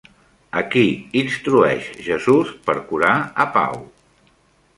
A qui instrueix Jesús per curar a Pau?